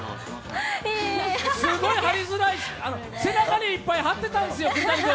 すごい貼りづらい、背中にすごい貼ってたんですよ。